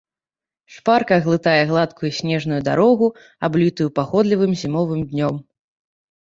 Шпарка глытае гладкую снежную дарогу, аблітую пагодлівым зімовым днём.